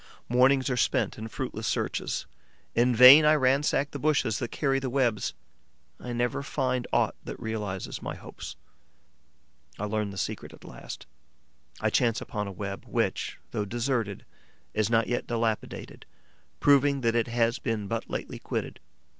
Mornings are spent in fruitless searches. In vain I ransack the bushes that carry the webs: I never find aught that realizes my hopes. I learn the secret at last. I chance upon a web which, though deserted, is not yet dilapidated, proving that it has been but lately quitted.